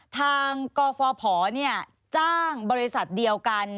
ทางกฟภจ้างบริษัทเดียวกัน